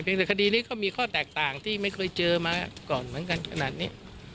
แต่คดีนี้ก็มีข้อแตกต่างที่ไม่เคยเจอมาก่อนเหมือนกันขนาดนี้